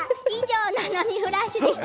「ななみフラッシュ！」でした。